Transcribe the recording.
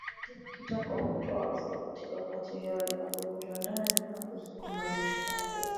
Kitako hutoa sauti wakati hewa inapovutwa ndani na kusukumwa nje kwa nguvu